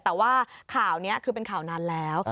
แต่ว่าข่าวนี้คือเป็นข่าวนานแล้ว